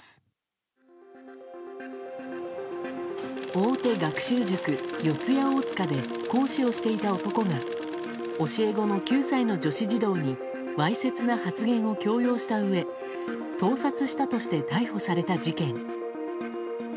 大手学習塾、四谷大塚で講師をしていた男が教え子の９歳の女子児童にわいせつな発言を強要したうえ盗撮したとして逮捕された事件。